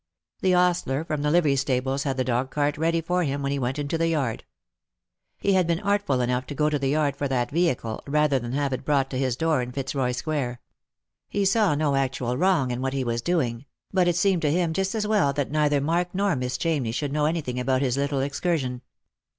The ostler from the livery stables had the dog cart ready for him when he went into the yard. He had been artful enough to go to the yard for that vehicle, rather than have it brought to bis door in Fitzroy square. He saw no actual 100 Lost for Love. wrong in what he was doing ; but it seemed to him just as well that neither Mark nor Miss Chamney should know anything about this little excursion.